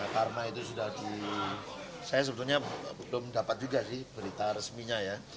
karena itu sudah di saya sebetulnya belum dapat juga di berita resminya ya